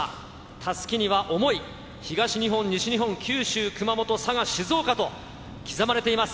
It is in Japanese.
たすきには想い、東日本、西日本、九州、熊本、佐賀、静岡と刻まれています。